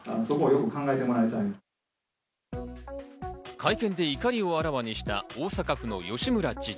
会見で怒りをあらわにした大阪府の吉村知事。